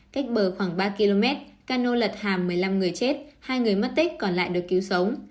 cách bờ khoảng ba km cano lật hàm một mươi năm người chết hai người mất tích còn lại được cứu sống